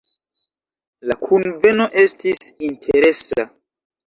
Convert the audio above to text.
La kunveno estis interesa.